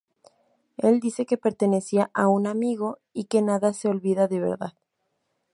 Él dice que pertenecía a un "amigo", y que nada se olvida de verdad.